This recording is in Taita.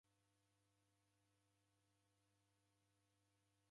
W'avi w'ijali kulela w'ana.